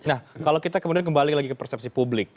nah kalau kita kemudian kembali lagi ke persepsi publik